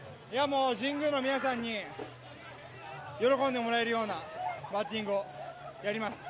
もう、神宮の皆さんに、喜んでもらえるようなバッティングをやります。